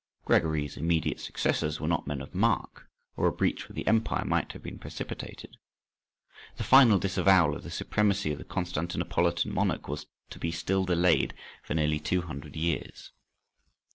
Gregory's immediate successors were not men of mark, or a breach with the empire might have been precipitated. The final disavowal of the supremacy of the Constantinopolitan monarch was to be still delayed for nearly two hundred years.